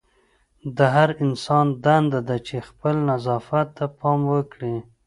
د هر انسان دنده ده چې خپل نظافت ته پام وکړي.